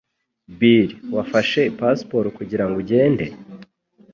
Bill, wafashe passport kugirango ugende?